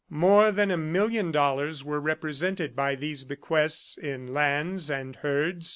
More than a million dollars were represented by these bequests in lands and herds.